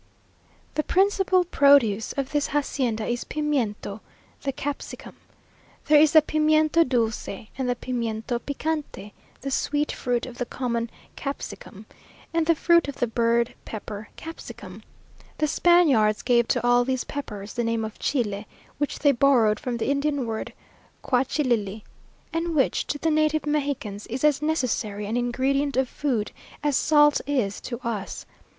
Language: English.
The principal produce of this hacienda is pimiento, the capsicum. There is the pimiento dulce and the pimiento picante, the sweet fruit of the common capsicum, and the fruit of the bird pepper capsicum. The Spaniards gave to all these peppers the name of chile, which they borrowed from the Indian word quauhchilli, and which, to the native Mexicans, is as necessary an ingredient of food as salt is to us.